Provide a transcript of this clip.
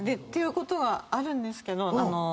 ていうことがあるんですけど。